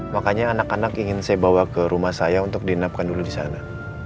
makanya anak anak ingin saya bawa ke rumah saya untuk diinapkan dulu di sana